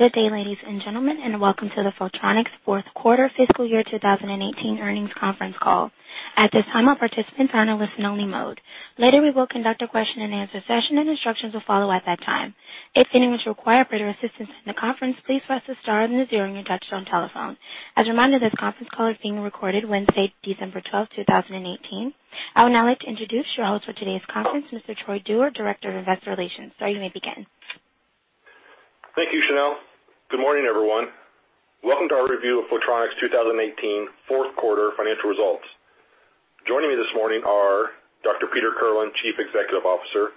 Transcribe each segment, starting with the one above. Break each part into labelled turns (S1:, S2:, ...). S1: Good day, ladies and gentlemen, and welcome to the Photronics 4th Quarter Fiscal Year 2018 Earnings Conference Call. At this time, all participants are in a listen-only mode. Later, we will conduct a question-and-answer session, and instructions will follow at that time. If anyone should require further assistance in the conference, please press the star and the zero on your touch-tone telephone. As a reminder, this conference call is being recorded. Wednesday, December 12, 2018. I would now like to introduce your host for today's conference, Mr. Troy Dewar, Director of Investor Relations. Sir, you may begin.
S2: Thank you, Chanel. Good morning, everyone. Welcome to our review of Photronics 2018 4th Quarter Financial Results. Joining me this morning are Dr. Peter Kirlin, Chief Executive Officer,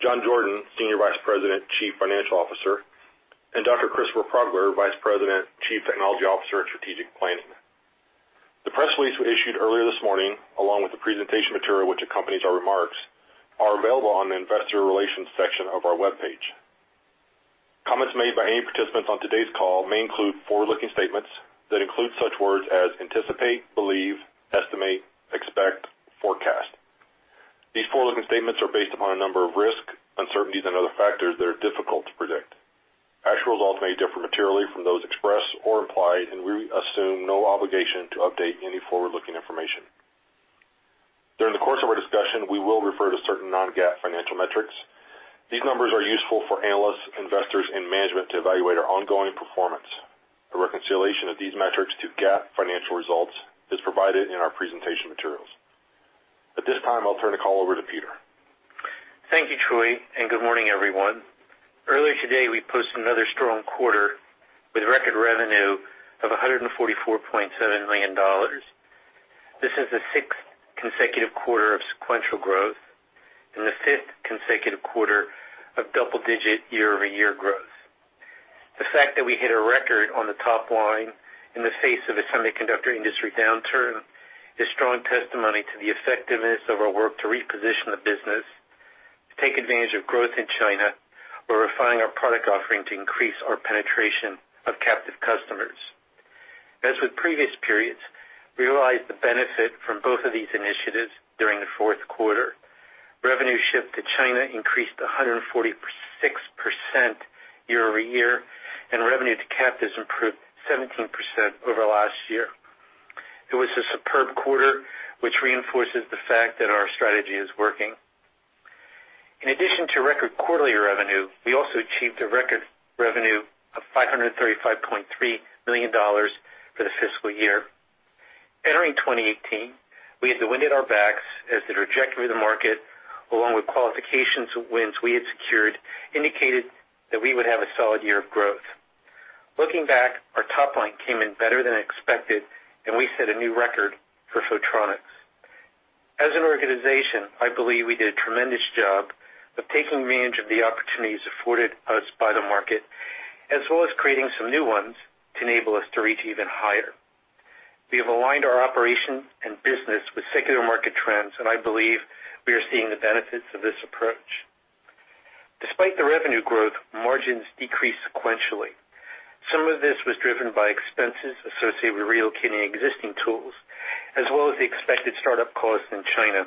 S2: John Jordan, Senior Vice President, Chief Financial Officer, and Dr. Christopher Progler, Vice President, Chief Technology Officer and Strategic Planning. The press release we issued earlier this morning, along with the presentation material which accompanies our remarks, is available on the Investor Relations section of our webpage. Comments made by any participants on today's call may include forward-looking statements that include such words as anticipate, believe, estimate, expect, forecast. These forward-looking statements are based upon a number of risks, uncertainties, and other factors that are difficult to predict. Actual results may differ materially from those expressed or implied, and we assume no obligation to update any forward-looking information. During the course of our discussion, we will refer to certain non-GAAP financial metrics. These numbers are useful for analysts, investors, and management to evaluate our ongoing performance. A reconciliation of these metrics to GAAP financial results is provided in our presentation materials. At this time, I'll turn the call over to Peter.
S3: Thank you, Troy, and good morning, everyone. Earlier today, we posted another strong quarter with record revenue of $144.7 million. This is the sixth consecutive quarter of sequential growth and the fifth consecutive quarter of double-digit year-over-year growth. The fact that we hit a record on the top line in the face of a semiconductor industry downturn is strong testimony to the effectiveness of our work to reposition the business, to take advantage of growth in China, while refining our product offering to increase our penetration of captive customers. As with previous periods, we realized the benefit from both of these initiatives during the fourth quarter. Revenue shipped to China increased 146% year-over-year, and revenue to captive has improved 17% over last year. It was a superb quarter, which reinforces the fact that our strategy is working. In addition to record quarterly revenue, we also achieved a record revenue of $535.3 million for the fiscal year. Entering 2018, we had the wind at our backs as the trajectory of the market, along with qualifications wins we had secured, indicated that we would have a solid year of growth. Looking back, our top line came in better than expected, and we set a new record for Photronics. As an organization, I believe we did a tremendous job of taking advantage of the opportunities afforded to us by the market, as well as creating some new ones to enable us to reach even higher. We have aligned our operations and business with secular market trends, and I believe we are seeing the benefits of this approach. Despite the revenue growth, margins decreased sequentially. Some of this was driven by expenses associated with relocating existing tools, as well as the expected startup costs in China.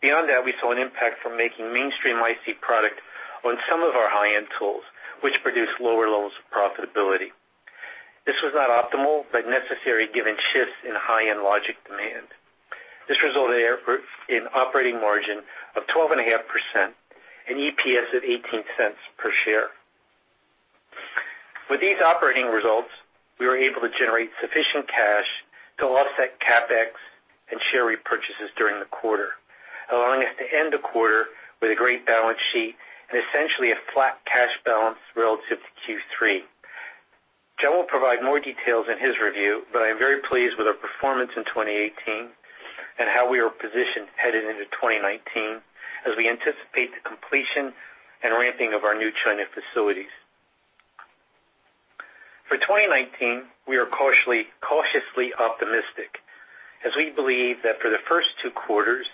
S3: Beyond that, we saw an impact from making mainstream IC product on some of our high-end tools, which produced lower levels of profitability. This was not optimal but necessary given shifts in high-end logic demand. This resulted in an operating margin of 12.5% and EPS of $0.18 per share. With these operating results, we were able to generate sufficient cash to offset CapEx and share repurchases during the quarter, allowing us to end the quarter with a great balance sheet and essentially a flat cash balance relative to Q3. John will provide more details in his review, but I am very pleased with our performance in 2018 and how we are positioned headed into 2019 as we anticipate the completion and ramping of our new China facilities. For 2019, we are cautiously optimistic as we believe that for the first two quarters,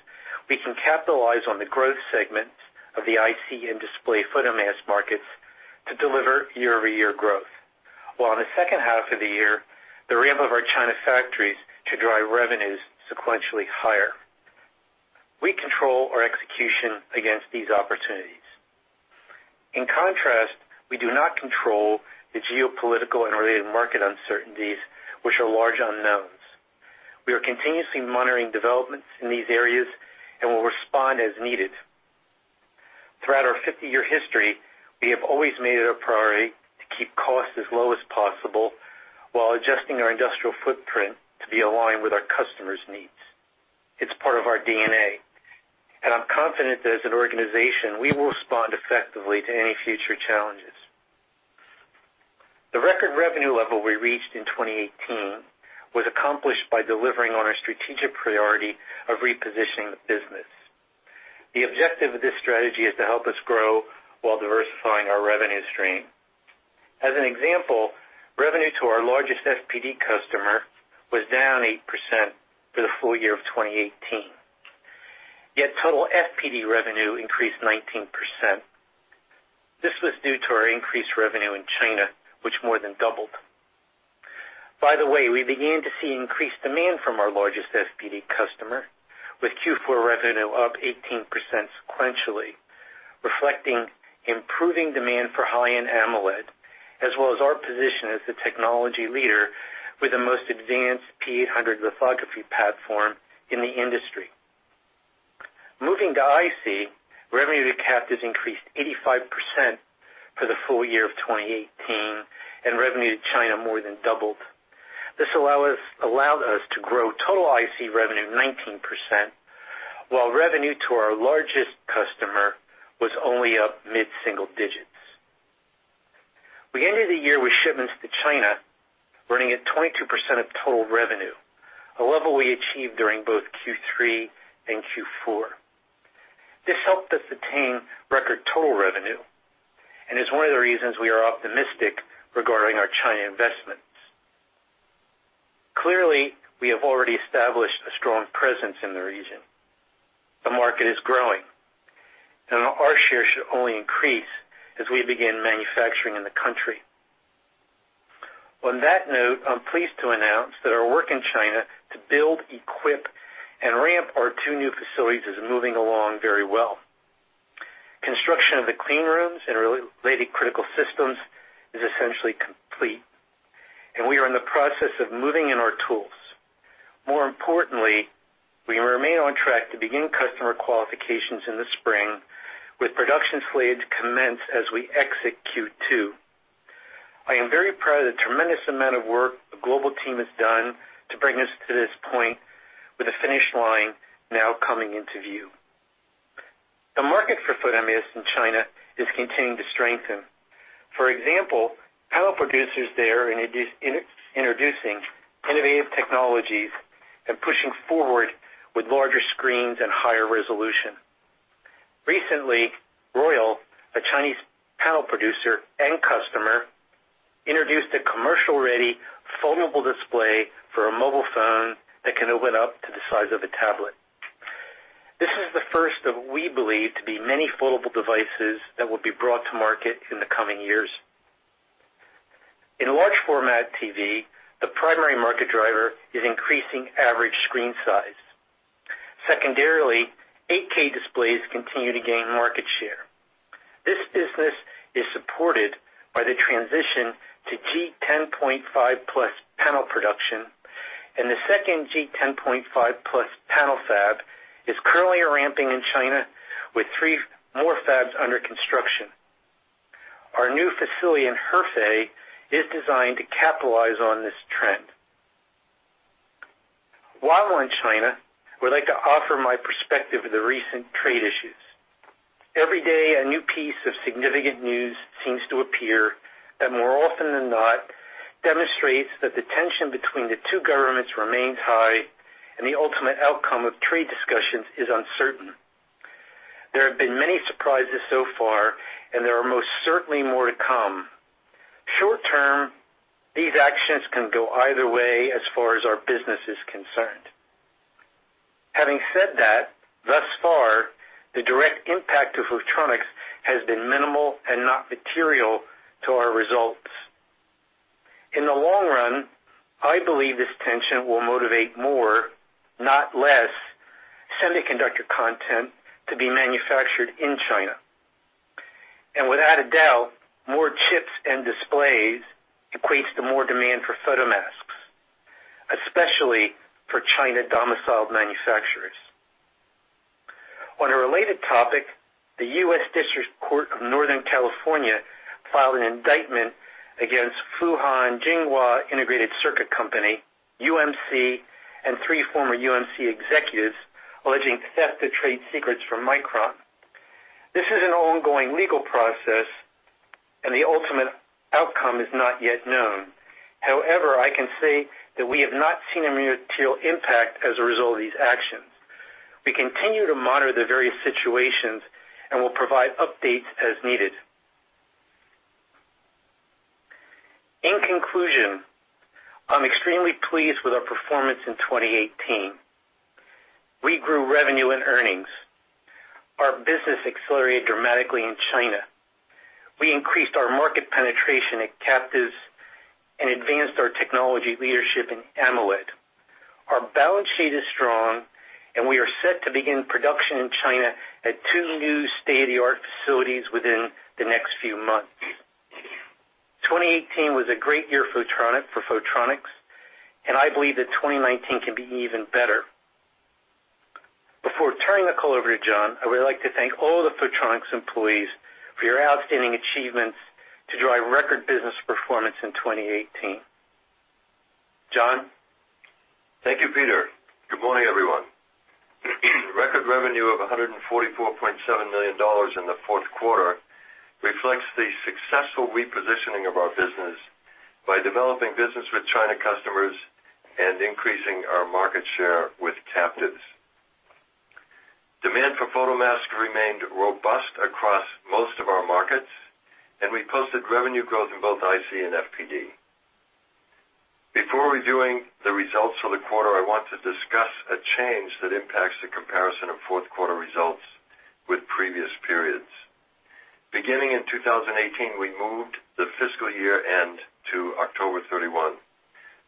S3: we can capitalize on the growth segments of the IC and display photomask markets to deliver year-over-year growth, while in the second half of the year, the ramp of our China factories should drive revenues sequentially higher. We control our execution against these opportunities. In contrast, we do not control the geopolitical and related market uncertainties, which are large unknowns. We are continuously monitoring developments in these areas and will respond as needed. Throughout our 50-year history, we have always made it a priority to keep costs as low as possible while adjusting our industrial footprint to be aligned with our customers' needs. It's part of our DNA, and I'm confident that as an organization, we will respond effectively to any future challenges. The record revenue level we reached in 2018 was accomplished by delivering on our strategic priority of repositioning the business. The objective of this strategy is to help us grow while diversifying our revenue stream. As an example, revenue to our largest FPD customer was down 8% for the full year of 2018, yet total FPD revenue increased 19%. This was due to our increased revenue in China, which more than doubled. By the way, we began to see increased demand from our largest FPD customer, with Q4 revenue up 18% sequentially, reflecting improving demand for high-end AMOLED, as well as our position as the technology leader with the most advanced P800 lithography platform in the industry. Moving to IC, revenue to captive increased 85% for the full year of 2018, and revenue to China more than doubled. This allowed us to grow total IC revenue 19%, while revenue to our largest customer was only up mid-single digits. We ended the year with shipments to China, running at 22% of total revenue, a level we achieved during both Q3 and Q4. This helped us attain record total revenue and is one of the reasons we are optimistic regarding our China investments. Clearly, we have already established a strong presence in the region. The market is growing, and our share should only increase as we begin manufacturing in the country. On that note, I'm pleased to announce that our work in China to build, equip, and ramp our two new facilities is moving along very well. Construction of the clean rooms and related critical systems is essentially complete, and we are in the process of moving in our tools. More importantly, we remain on track to begin customer qualifications in the spring, with production sales commenced as we exit Q2. I am very proud of the tremendous amount of work the global team has done to bring us to this point, with the finish line now coming into view. The market for photomask in China is continuing to strengthen. For example, panel producers there are introducing innovative technologies and pushing forward with larger screens and higher resolution. Recently, Royole, a Chinese panel producer and customer, introduced a commercial-ready foldable display for a mobile phone that can open up to the size of a tablet. This is the first of what we believe to be many foldable devices that will be brought to market in the coming years. In large format TV, the primary market driver is increasing average screen size. Secondarily, 8K displays continue to gain market share. This business is supported by the transition to G10.5+ panel production, and the second G10.5+ panel fab is currently ramping in China, with three more fabs under construction. Our new facility in Hefei is designed to capitalize on this trend. While in China, I would like to offer my perspective of the recent trade issues. Every day, a new piece of significant news seems to appear, and more often than not, demonstrates that the tension between the two governments remains high, and the ultimate outcome of trade discussions is uncertain. There have been many surprises so far, and there are most certainly more to come. Short term, these actions can go either way as far as our business is concerned. Having said that, thus far, the direct impact on Photronics has been minimal and not material to our results. In the long run, I believe this tension will motivate more, not less, semiconductor content to be manufactured in China. And without a doubt, more chips and displays equates to more demand for photomasks, especially for China-domiciled manufacturers. On a related topic, the U.S. District Court of Northern California filed an indictment against Fujian Jinhua Integrated Circuit Company, UMC, and three former UMC executives alleging theft of trade secrets from Micron. This is an ongoing legal process, and the ultimate outcome is not yet known. However, I can say that we have not seen a material impact as a result of these actions. We continue to monitor the various situations and will provide updates as needed. In conclusion, I'm extremely pleased with our performance in 2018. We grew revenue and earnings. Our business accelerated dramatically in China. We increased our market penetration at captives and advanced our technology leadership in AMOLED. Our balance sheet is strong, and we are set to begin production in China at two new state-of-the-art facilities within the next few months. 2018 was a great year for Photronics, and I believe that 2019 can be even better. Before turning the call over to John, I would like to thank all the Photronics employees for your outstanding achievements to drive record business performance in 2018. John?
S4: Thank you, Peter. Good morning, everyone. Record revenue of $144.7 million in the fourth quarter reflects the successful repositioning of our business by developing business with China customers and increasing our market share with captives. Demand for photomask remained robust across most of our markets, and we posted revenue growth in both IC and FPD. Before reviewing the results for the quarter, I want to discuss a change that impacts the comparison of fourth quarter results with previous periods. Beginning in 2018, we moved the fiscal year end to October 31.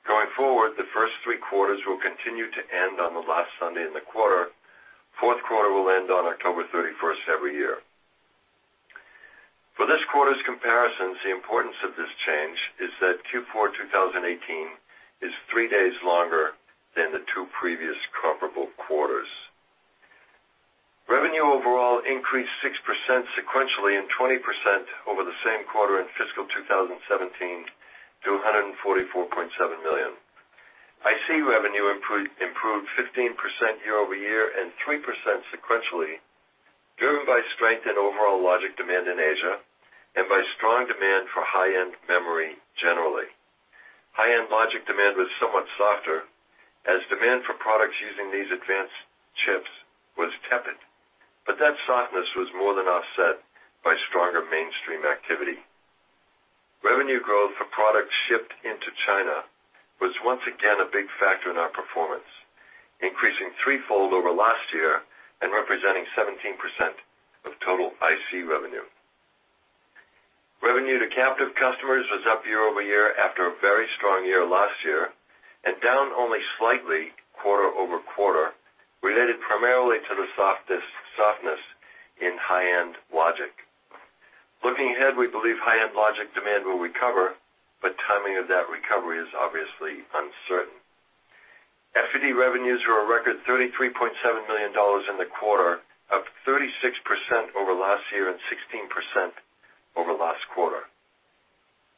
S4: Going forward, the first three quarters will continue to end on the last Sunday in the quarter. Fourth quarter will end on October 31 every year. For this quarter's comparisons, the importance of this change is that Q4 2018 is three days longer than the two previous comparable quarters. Revenue overall increased 6% sequentially and 20% over the same quarter in fiscal 2017 to $144.7 million. IC revenue improved 15% year-over-year and 3% sequentially, driven by strength in overall logic demand in Asia and by strong demand for high-end memory generally. High-end logic demand was somewhat softer as demand for products using these advanced chips was tepid, but that softness was more than offset by stronger mainstream activity. Revenue growth for products shipped into China was once again a big factor in our performance, increasing threefold over last year and representing 17% of total IC revenue. Revenue to captive customers was up year-over-year after a very strong year last year and down only slightly quarter over quarter, related primarily to the softness in high-end logic. Looking ahead, we believe high-end logic demand will recover, but timing of that recovery is obviously uncertain. FPD revenues were a record $33.7 million in the quarter, up 36% over last year and 16% over last quarter.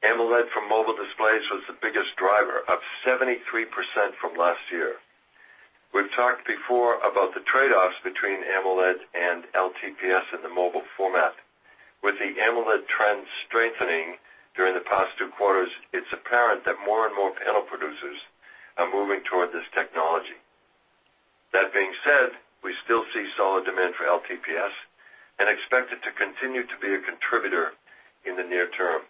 S4: AMOLED for mobile displays was the biggest driver, up 73% from last year. We've talked before about the trade-offs between AMOLED and LTPS in the mobile format. With the AMOLED trend strengthening during the past two quarters, it's apparent that more and more panel producers are moving toward this technology. That being said, we still see solid demand for LTPS and expect it to continue to be a contributor in the near term.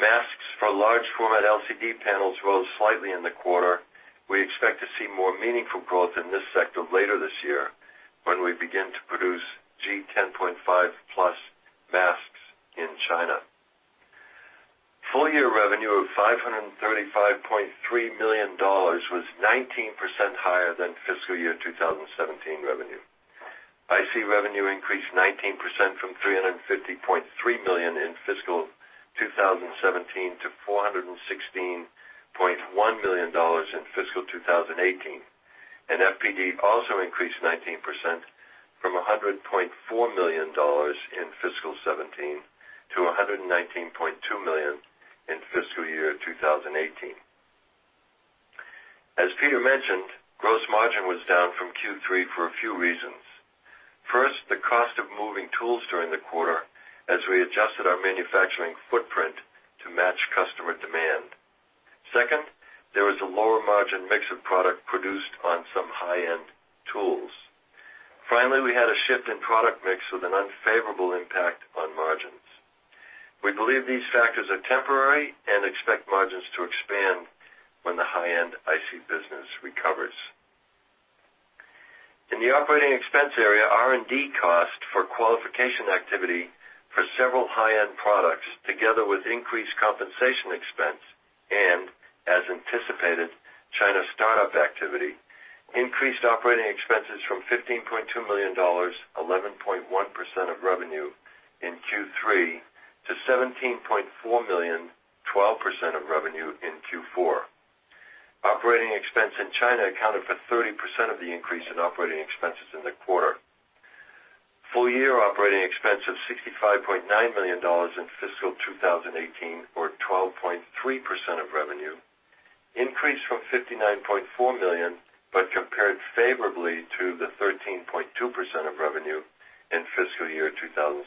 S4: Masks for large format LCD panels rose slightly in the quarter. We expect to see more meaningful growth in this sector later this year when we begin to produce G10.5+ masks in China. Full year revenue of $535.3 million was 19% higher than fiscal year 2017 revenue. IC revenue increased 19% from $350.3 million in fiscal 2017 to $416.1 million in fiscal 2018, and FPD also increased 19% from $100.4 million in fiscal 2017 to $119.2 million in fiscal year 2018. As Peter mentioned, gross margin was down from Q3 for a few reasons. First, the cost of moving tools during the quarter as we adjusted our manufacturing footprint to match customer demand. Second, there was a lower margin mix of product produced on some high-end tools. Finally, we had a shift in product mix with an unfavorable impact on margins. We believe these factors are temporary and expect margins to expand when the high-end IC business recovers. In the operating expense area, R&D cost for qualification activity for several high-end products, together with increased compensation expense and, as anticipated, China startup activity, increased operating expenses from $15.2 million, 11.1% of revenue in Q3, to $17.4 million, 12% of revenue in Q4. Operating expense in China accounted for 30% of the increase in operating expenses in the quarter. Full year operating expense of $65.9 million in fiscal 2018, or 12.3% of revenue, increased from $59.4 million but compared favorably to the 13.2% of revenue in fiscal year 2017.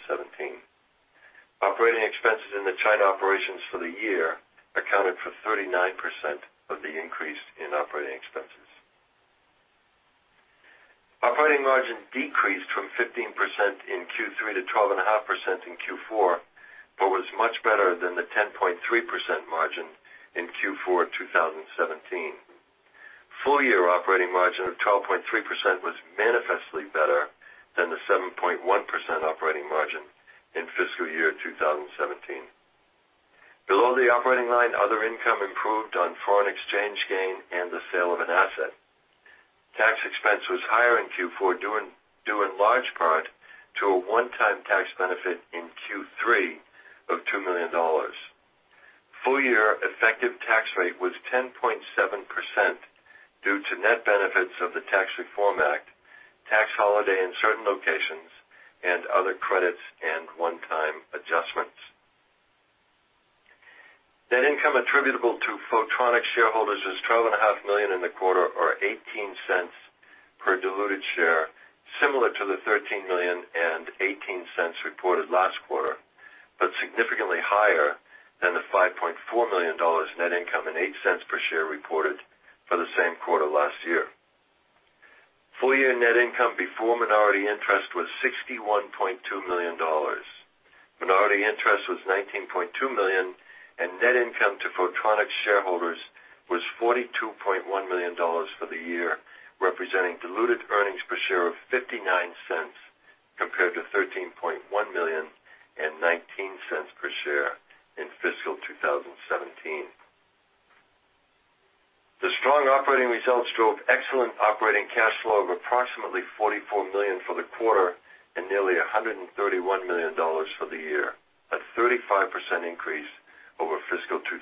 S4: Operating expenses in the China operations for the year accounted for 39% of the increase in operating expenses. Operating margin decreased from 15% in Q3 to 12.5% in Q4, but was much better than the 10.3% margin in Q4 2017. Full year operating margin of 12.3% was manifestly better than the 7.1% operating margin in fiscal year 2017. Below the operating line, other income improved on foreign exchange gain and the sale of an asset. Tax expense was higher in Q4 due in large part to a one-time tax benefit in Q3 of $2 million. Full year effective tax rate was 10.7% due to net benefits of the Tax Reform Act, tax holiday in certain locations, and other credits and one-time adjustments. Net income attributable to Photronics shareholders was $12.5 million in the quarter, or $0.18 per diluted share, similar to the $13.18 reported last quarter, but significantly higher than the $5.4 million net income and $0.08 per share reported for the same quarter last year. Full year net income before minority interest was $61.2 million. Minority interest was $19.2 million, and net income to Photronics shareholders was $42.1 million for the year, representing diluted earnings per share of $0.59 compared to $13.1 million and $0.19 per share in fiscal 2017. The strong operating results drove excellent operating cash flow of approximately $44 million for the quarter and nearly $131 million for the year, a 35% increase over fiscal 2017.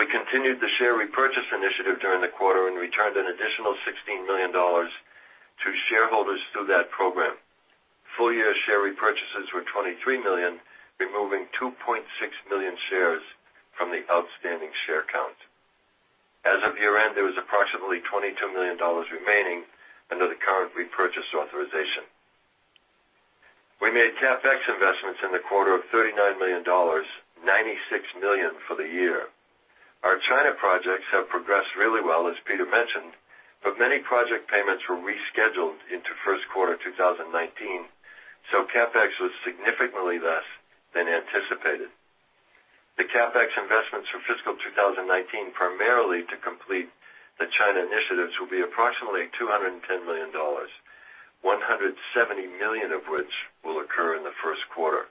S4: We continued the share repurchase initiative during the quarter and returned an additional $16 million to shareholders through that program. Full year share repurchases were $23 million, removing 2.6 million shares from the outstanding share count. As of year-end, there was approximately $22 million remaining under the current repurchase authorization. We made CapEx investments in the quarter of $39 million, $96 million for the year. Our China projects have progressed really well, as Peter mentioned, but many project payments were rescheduled into first quarter 2019, so CapEx was significantly less than anticipated. The CapEx investments for fiscal 2019, primarily to complete the China initiatives, will be approximately $210 million, $170 million of which will occur in the first quarter.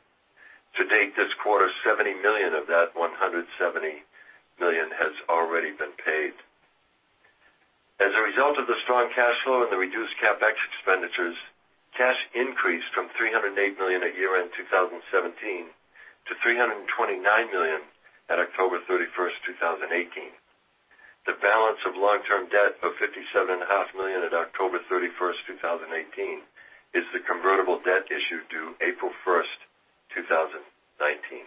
S4: To date this quarter, $70 million of that $170 million has already been paid. As a result of the strong cash flow and the reduced CapEx expenditures, cash increased from $308 million at year-end 2017 to $329 million at October 31, 2018. The balance of long-term debt of $57.5 million at October 31, 2018, is the convertible debt issued due April 1, 2019.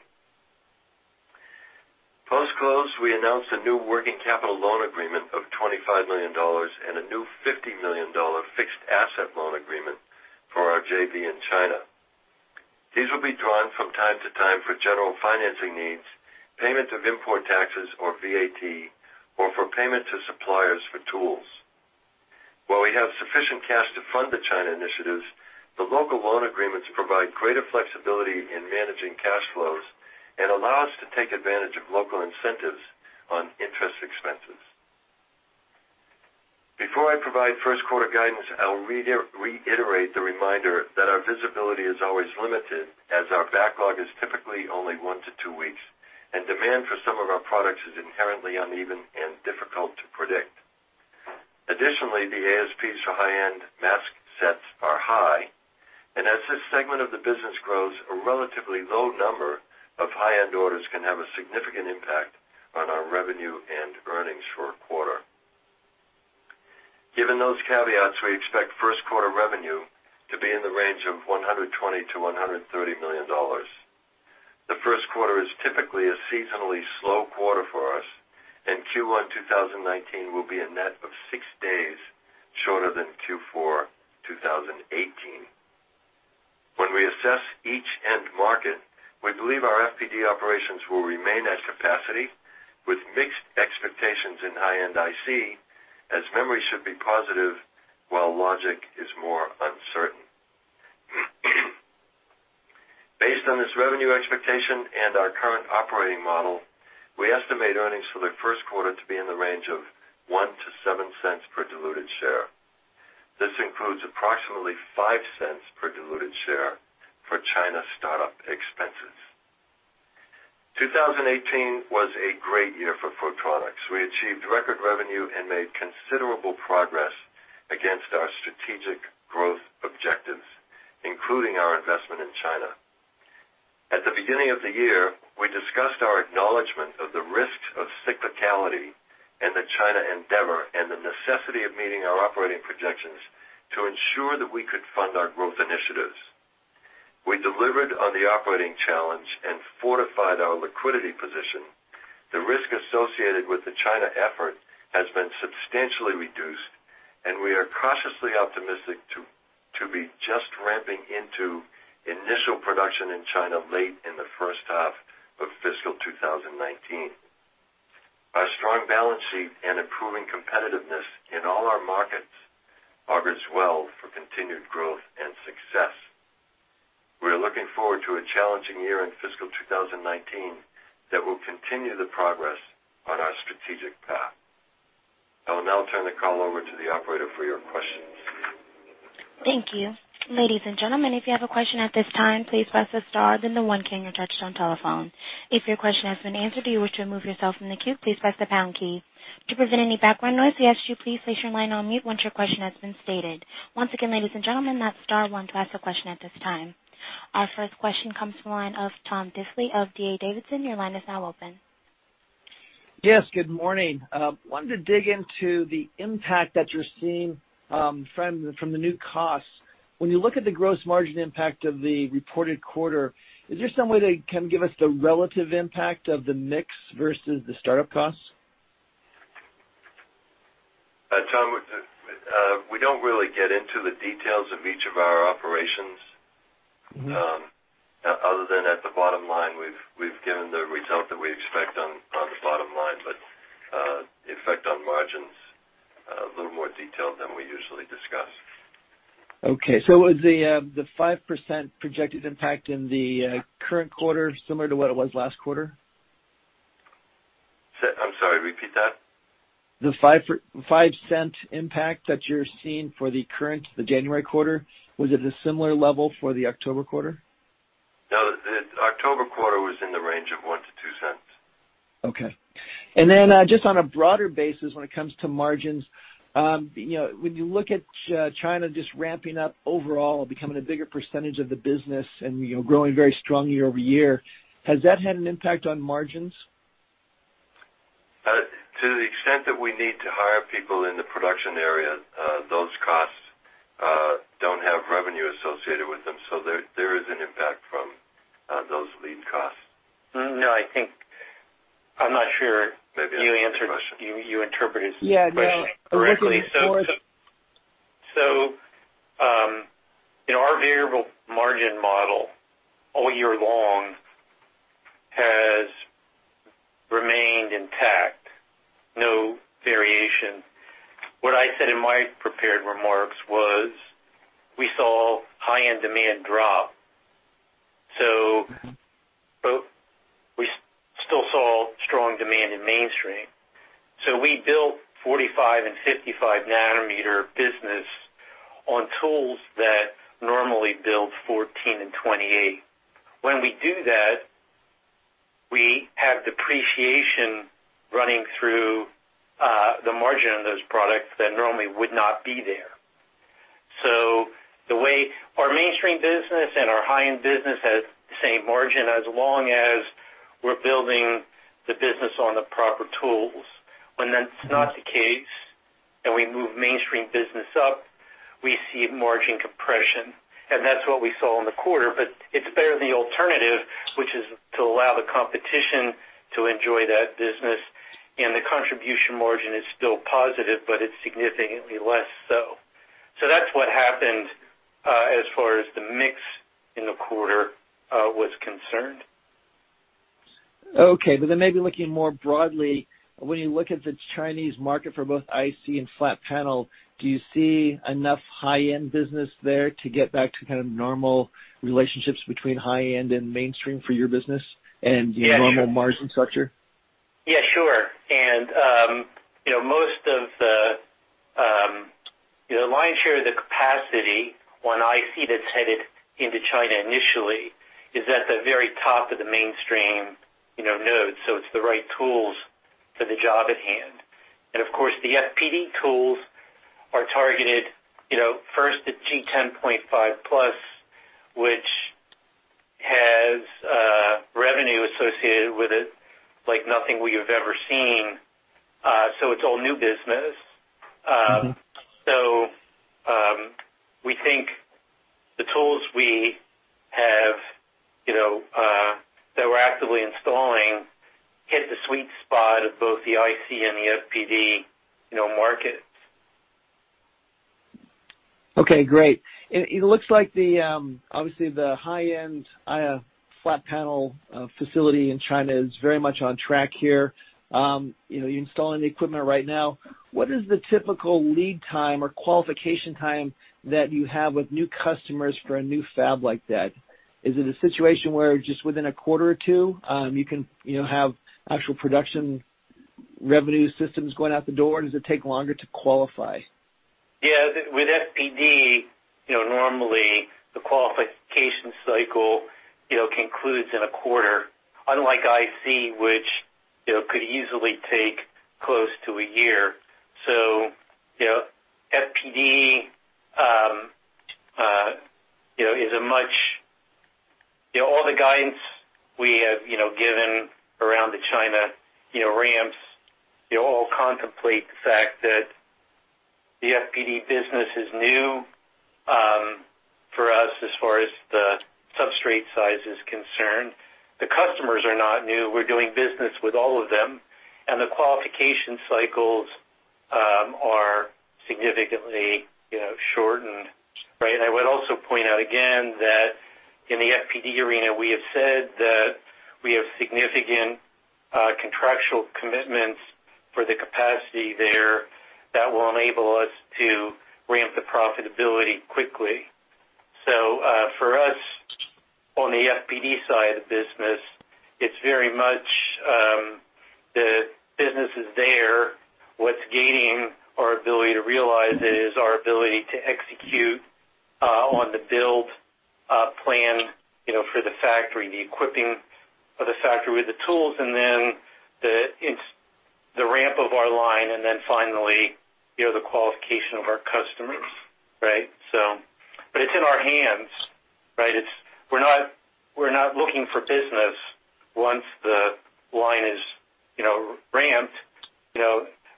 S4: Post-close, we announced a new working capital loan agreement of $25 million and a new $50 million fixed asset loan agreement for our JV in China. These will be drawn from time to time for general financing needs, payment of import taxes or VAT, or for payment to suppliers for tools. While we have sufficient cash to fund the China initiatives, the local loan agreements provide greater flexibility in managing cash flows and allow us to take advantage of local incentives on interest expenses. Before I provide first quarter guidance, I'll reiterate the reminder that our visibility is always limited as our backlog is typically only one to two weeks, and demand for some of our products is inherently uneven and difficult to predict. Additionally, the ASPs for high-end mask sets are high, and as this segment of the business grows, a relatively low number of high-end orders can have a significant impact on our revenue and earnings for a quarter. Given those caveats, we expect first quarter revenue to be in the range of $120-$130 million. The first quarter is typically a seasonally slow quarter for us, and Q1 2019 will be a net of six days shorter than Q4 2018. When we assess each end market, we believe our FPD operations will remain at capacity, with mixed expectations in high-end IC, as memory should be positive while logic is more uncertain. Based on this revenue expectation and our current operating model, we estimate earnings for the first quarter to be in the range of $0.01-$0.07 per diluted share. This includes approximately $0.05 per diluted share for China startup expenses. 2018 was a great year for Photronics. We achieved record revenue and made considerable progress against our strategic growth objectives, including our investment in China. At the beginning of the year, we discussed our acknowledgment of the risks of cyclicality in the China endeavor and the necessity of meeting our operating projections to ensure that we could fund our growth initiatives. We delivered on the operating challenge and fortified our liquidity position. The risk associated with the China effort has been substantially reduced, and we are cautiously optimistic to be just ramping into initial production in China late in the first half of fiscal 2019. Our strong balance sheet and improving competitiveness in all our markets augurs well for continued growth and success. We are looking forward to a challenging year in fiscal 2019 that will continue the progress on our strategic path. I will now turn the call over to the operator for your questions. Thank you.
S1: Ladies and gentlemen, if you have a question at this time, please press the star, then the one key on your touch-tone telephone. If your question has been answered or you wish to remove yourself from the queue, please press the pound key. To prevent any background noise, we ask you to please place your line on mute once your question has been stated. Once again, ladies and gentlemen, that's star, one, to ask a question at this time. Our first question comes from the line of Thomas Diffely of D.A. Davidson. Your line is now open.
S5: Yes, good morning. I wanted to dig into the impact that you're seeing from the new costs. When you look at the gross margin impact of the reported quarter, is there some way they can give us the relative impact of the mix versus the startup costs?
S4: Tom, we don't really get into the details of each of our operations other than at the bottom line. We've given the result that we expect on the bottom line, but the effect on margins is a little more detailed than we usually discuss.
S5: Okay. So is the 5% projected impact in the current quarter similar to what it was last quarter?
S4: I'm sorry, repeat that.
S5: The $0.05 impact that you're seeing for the current, the January quarter, was it a similar level for the October quarter?
S4: No, the October quarter was in the range of $0.01-$0.02.
S5: Okay. And then just on a broader basis, when it comes to margins, when you look at China just ramping up overall, becoming a bigger percentage of the business and growing very strong year over year, has that had an impact on margins?
S4: To the extent that we need to hire people in the production area, those costs don't have revenue associated with them, so there is an impact from those labor costs. No, I think you interpreted the question correctly. So our variable margin model all year long has remained intact, no variation. What I said in my prepared remarks was we saw high-end demand drop, but we still saw strong demand in mainstream. So we built 45 and 55 nanometer business on tools that normally build 14 and 28. When we do that, we have depreciation running through the margin of those products that normally would not be there. So our mainstream business and our high-end business have the same margin as long as we're building the business on the proper tools. When that's not the case and we move mainstream business up, we see margin compression, and that's what we saw in the quarter, but it's better than the alternative, which is to allow the competition to enjoy that business, and the contribution margin is still positive, but it's significantly less so. So that's what happened as far as the mix in the quarter was concerned.
S5: Okay. But then maybe looking more broadly, when you look at the Chinese market for both IC and flat panel, do you see enough high-end business there to get back to kind of normal relationships between high-end and mainstream for your business and your normal margin structure?
S3: Yeah, sure. And most of the lion's share of the capacity on IC that's headed into China initially is at the very top of the mainstream node, so it's the right tools for the job at hand. Of course, the FPD tools are targeted first at G10.5+, which has revenue associated with it like nothing we have ever seen, so it's all new business. So we think the tools we have that we're actively installing hit the sweet spot of both the IC and the FPD markets.
S5: Okay, great. It looks like obviously the high-end flat panel facility in China is very much on track here. You're installing the equipment right now. What is the typical lead time or qualification time that you have with new customers for a new fab like that? Is it a situation where just within a quarter or two you can have actual production revenue systems going out the door, or does it take longer to qualify?
S3: Yeah, with FPD, normally the qualification cycle concludes in a quarter, unlike IC, which could easily take close to a year. So, FPD is a match. All the guidance we have given around the China ramps all contemplate the fact that the FPD business is new for us as far as the substrate size is concerned. The customers are not new. We're doing business with all of them, and the qualification cycles are significantly shortened. Right? I would also point out again that in the FPD arena, we have said that we have significant contractual commitments for the capacity there that will enable us to ramp the profitability quickly. So for us on the FPD side of business, it's very much the business is there. What's gating our ability to realize it is our ability to execute on the build plan for the factory, the equipping of the factory with the tools, and then the ramp of our line, and then finally the qualification of our customers. Right? But it's in our hands. Right? We're not looking for business once the line is ramped.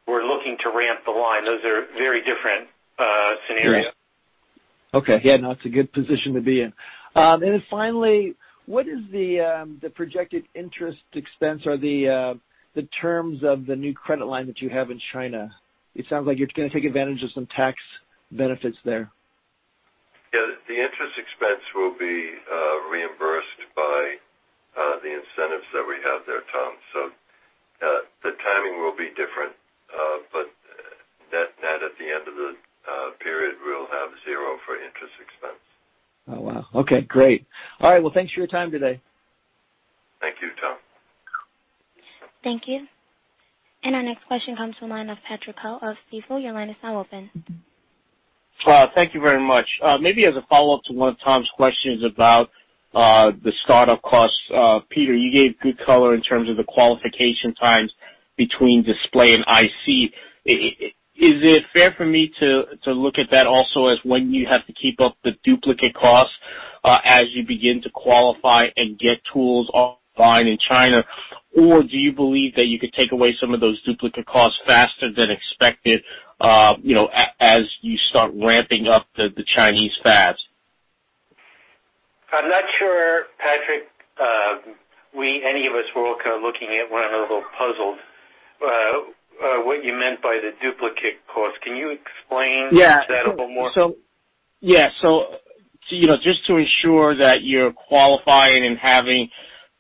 S3: We're looking to ramp the line. Those are very different scenarios. Okay. Yeah, no, it's a good position to be in. And then finally, what is the projected interest expense or the terms of the new credit line that you have in China? It sounds like you're going to take advantage of some tax benefits there. Yeah, the interest expense will be reimbursed by the incentives that we have there, Tom. So the timing will be different, but net at the end of the period, we'll have zero for interest expense.
S5: Oh, wow. Okay, great. All right. Well, thanks for your time today.
S2: Thank you, Tom.
S1: Thank you. And our next question comes from Patrick Ho of Stifel. Your line is now open.
S6: Thank you very much. Maybe as a follow-up to one of Tom's questions about the startup costs, Peter, you gave good color in terms of the qualification times between display and IC. Is it fair for me to look at that also as when you have to keep up the duplicate costs as you begin to qualify and get tools online in China, or do you believe that you could take away some of those duplicate costs faster than expected as you start ramping up the Chinese fabs?
S3: I'm not sure, Patrick. Any of us were all kind of looking at one another a little puzzled at what you meant by the duplicate cost. Can you explain that a little more? Yeah.
S6: So, just to ensure that you're qualifying and having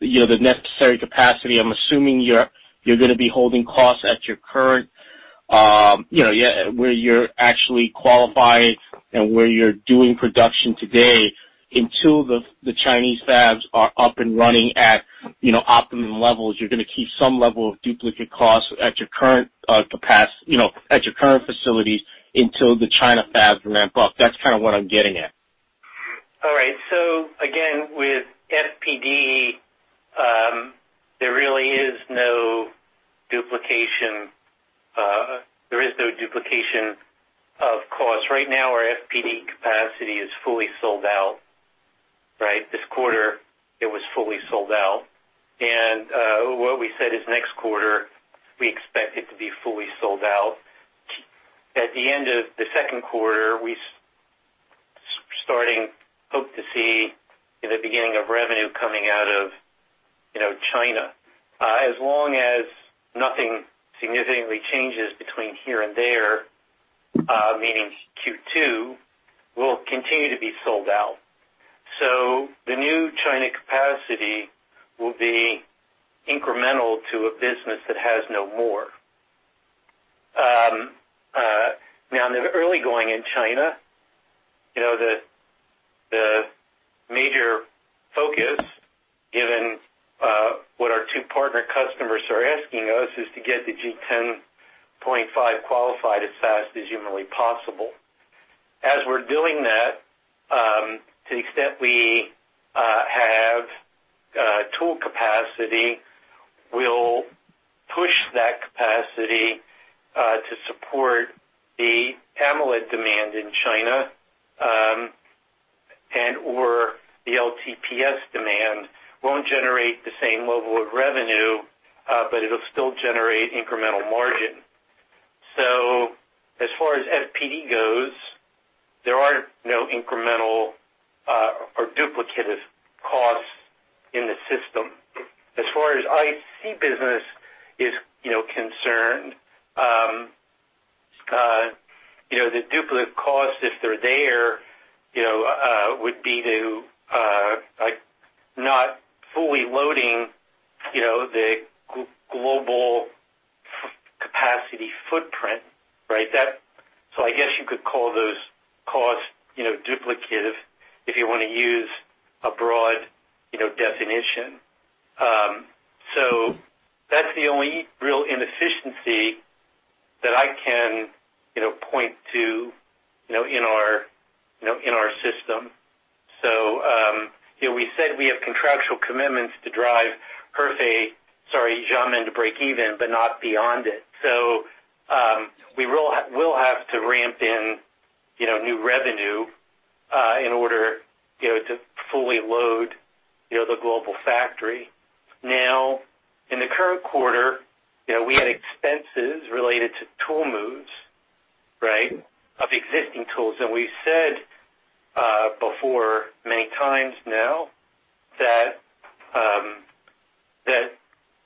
S6: the necessary capacity, I'm assuming you're going to be holding costs at your current where you're actually qualified and where you're doing production today until the Chinese fabs are up and running at optimum levels. You're going to keep some level of duplicate costs at your current capacity at your current facilities until the China fabs ramp up. That's kind of what I'm getting at.
S3: All right. So again, with FPD, there really is no duplication. There is no duplication of costs. Right now, our FPD capacity is fully sold out. Right? This quarter, it was fully sold out, and what we said is next quarter, we expect it to be fully sold out. At the end of the second quarter, we're starting to hope to see the beginning of revenue coming out of China. As long as nothing significantly changes between here and there, meaning Q2, we'll continue to be sold out. So the new China capacity will be incremental to a business that has no more. Now, in the early going in China, the major focus, given what our two partner customers are asking us, is to get the G10.5 qualified as fast as humanly possible. As we're doing that, to the extent we have tool capacity, we'll push that capacity to support the AMOLED demand in China and/or the LTPS demand. It won't generate the same level of revenue, but it'll still generate incremental margin. So as far as FPD goes, there are no incremental or duplicative costs in the system. As far as IC business is concerned, the duplicate costs, if they're there, would be to not fully loading the global capacity footprint. Right? I guess you could call those costs duplicative if you want to use a broad definition. That's the only real inefficiency that I can point to in our system. We said we have contractual commitments to drive perfect, sorry, Xiamen, to break even, but not beyond it. We will have to ramp in new revenue in order to fully load the global factory. Now, in the current quarter, we had expenses related to tool moves, right, of existing tools. We've said before many times now that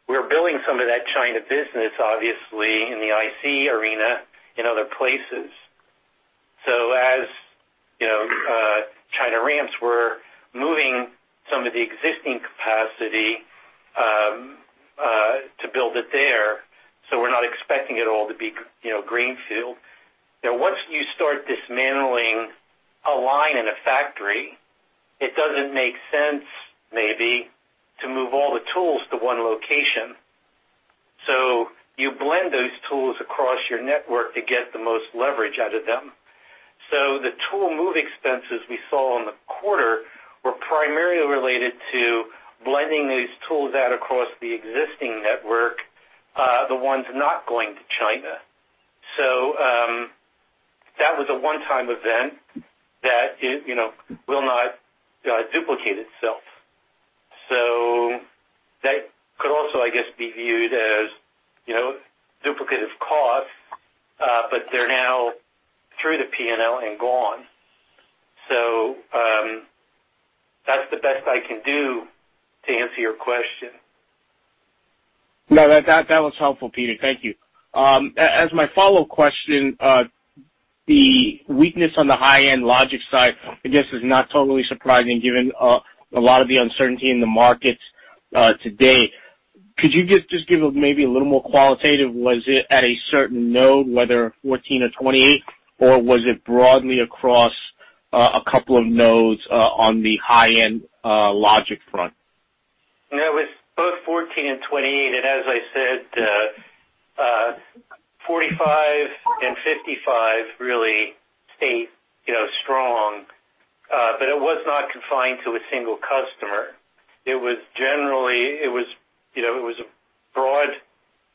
S3: we're building some of that China business, obviously, in the IC arena and other places. As China ramps, we're moving some of the existing capacity to build it there. We're not expecting it all to be greenfield. Once you start dismantling a line in a factory, it doesn't make sense, maybe, to move all the tools to one location. So you blend those tools across your network to get the most leverage out of them. So the tool move expenses we saw in the quarter were primarily related to blending those tools out across the existing network, the ones not going to China. So that was a one-time event that will not duplicate itself. So that could also, I guess, be viewed as duplicative costs, but they're now through the P&L and gone. So that's the best I can do to answer your question.
S6: No, that was helpful, Peter. Thank you. As my follow-up question, the weakness on the high-end logic side, I guess, is not totally surprising given a lot of the uncertainty in the markets today. Could you just give maybe a little more qualitative? Was it at a certain node, whether 14 or 28, or was it broadly across a couple of nodes on the high-end logic front?
S3: It was both 14 and 28. And as I said, 45 and 55 really stayed strong, but it was not confined to a single customer. It was generally, it was a broad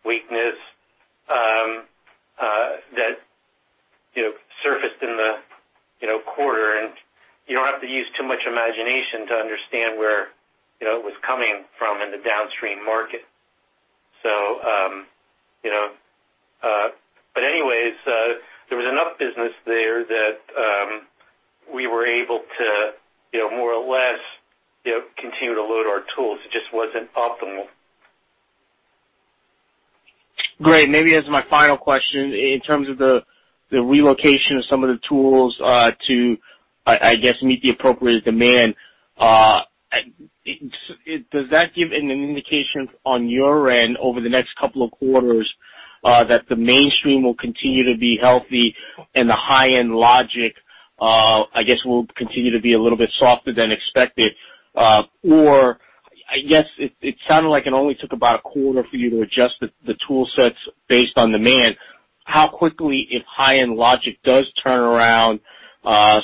S3: weakness that surfaced in the quarter. And you don't have to use too much imagination to understand where it was coming from in the downstream market. But anyways, there was enough business there that we were able to more or less continue to load our tools. It just wasn't optimal. Great.
S6: Maybe as my final question, in terms of the relocation of some of the tools to, I guess, meet the appropriate demand, does that give an indication on your end over the next couple of quarters that the mainstream will continue to be healthy and the high-end logic, I guess, will continue to be a little bit softer than expected? Or I guess it sounded like it only took about a quarter for you to adjust the tool sets based on demand. How quickly, if high-end logic does turn around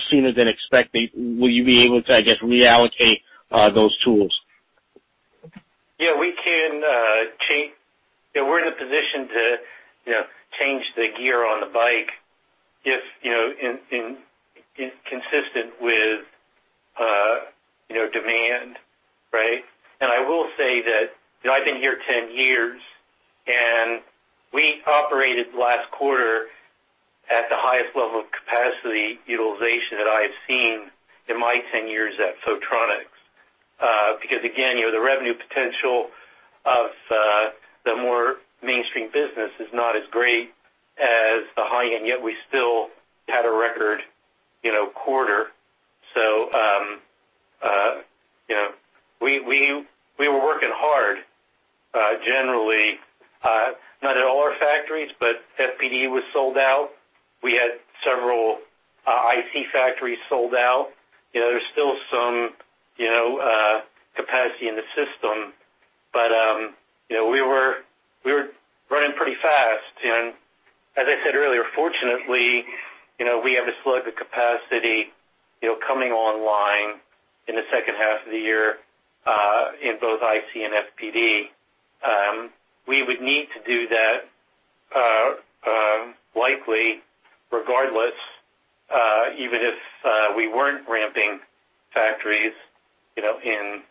S6: sooner than expected, will you be able to, I guess, reallocate those tools?
S3: Yeah, we can change, we're in a position to change the gear on the bike if consistent with demand. Right? I will say that I've been here 10 years, and we operated last quarter at the highest level of capacity utilization that I have seen in my 10 years at Photronics. Because again, the revenue potential of the more mainstream business is not as great as the high-end, yet we still had a record quarter. So we were working hard generally, not at all our factories, but FPD was sold out. We had several IC factories sold out. There's still some capacity in the system, but we were running pretty fast. And as I said earlier, fortunately, we have a slug of capacity coming online in the second half of the year in both IC and FPD. We would need to do that likely regardless, even if we weren't ramping factories in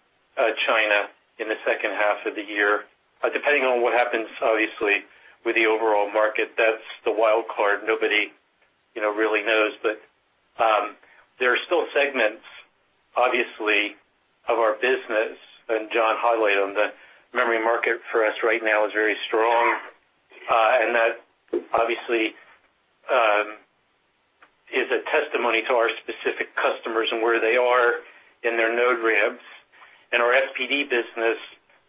S3: China in the second half of the year, depending on what happens, obviously, with the overall market. That's the wild card. Nobody really knows. But there are still segments, obviously, of our business. And John highlighted them. The memory market for us right now is very strong, and that obviously is a testimony to our specific customers and where they are in their node ramps. And our FPD business,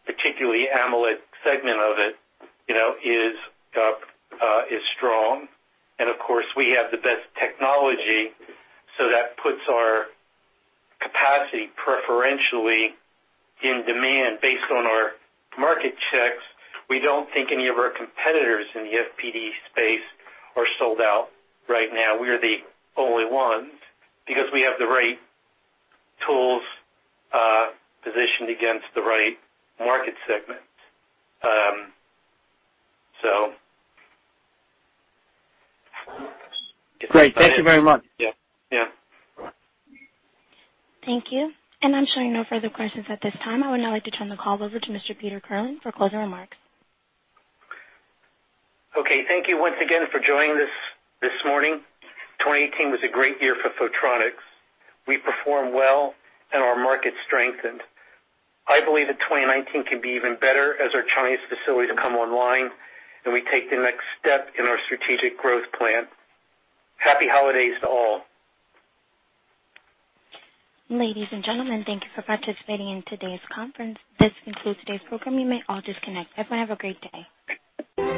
S3: particularly AMOLED segment of it, is strong. And of course, we have the best technology, so that puts our capacity preferentially in demand based on our market checks. We don't think any of our competitors in the FPD space are sold out right now. We are the only ones because we have the right tools positioned against the right market segment. So.
S6: Great. Thank you very much.
S3: Yeah. Yeah.
S1: Thank you. And I'm showing no further questions at this time. I would now like to turn the call over to Mr. Peter Kirlin for closing remarks. Okay.
S4: Thank you once again for joining this morning. 2018 was a great year for Photronics. We performed well, and our market strengthened. I believe that 2019 can be even better as our Chinese facilities come online and we take the next step in our strategic growth plan. Happy holidays to all. Ladies and gentlemen, thank you for participating in today's conference. This concludes today's program. You may all disconnect. Everyone have a great day.